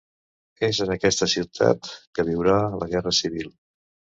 És en aquesta ciutat que viurà la Guerra Civil.